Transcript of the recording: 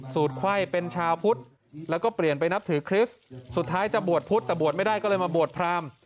ไขว้เป็นชาวพุทธแล้วก็เปลี่ยนไปนับถือคริสต์สุดท้ายจะบวชพุทธแต่บวชไม่ได้ก็เลยมาบวชพราม